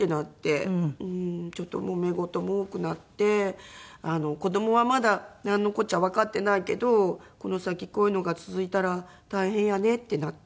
ちょっともめ事も多くなって子供はまだなんのこっちゃわかっていないけどこの先こういうのが続いたら大変やねってなって話し合って。